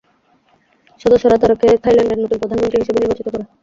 সদস্যরা তাঁকে থাইল্যান্ডের নতুন প্রধানমন্ত্রী হিসেবে নির্বাচিত করে।